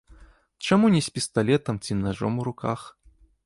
Чаму не з пісталетам ці нажом у руках?